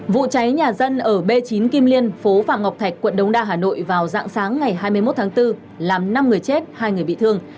vụ cháy nhà dân ở b chín kim liên phố phạm ngọc thạch quận đống đa hà nội vào dạng sáng ngày hai mươi một tháng bốn làm năm người chết hai người bị thương